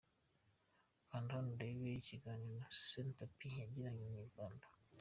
Kanda hano urebe ikiganiro Senty P yagiranye na Inyarwanda.